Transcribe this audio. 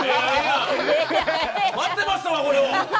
待ってましたわ、これを！